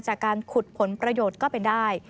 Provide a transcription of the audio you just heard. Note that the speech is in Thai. จากการขุดผลประโยชน์ก็เป็นได้